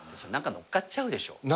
何かのっかっちゃうでしょ。